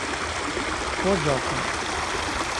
Ḥwajeɣ-ken.